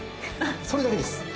それだけです。